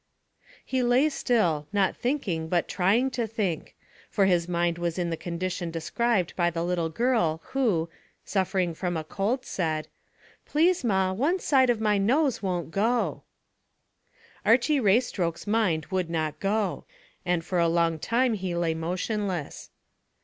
He lay still, not thinking but trying to think, for his mind was in the condition described by the little girl who, suffering from a cold, said, "Please, ma, one side of my nose won't go." Archy Raystoke's mind would not go, and for a long time he lay motionless.